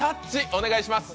お願いします。